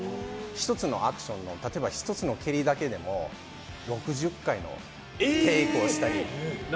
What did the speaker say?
１つのアクションでも、例えば１つの蹴りだけでも６０回のテイクをしたり。